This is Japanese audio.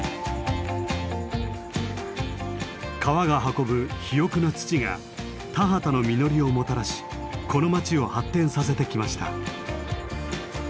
川が運ぶ肥沃な土が田畑の実りをもたらしこの町を発展させてきました。